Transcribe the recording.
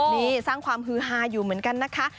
นี่สร้างความฮือฮาอยู่เหมือนกันนะคะ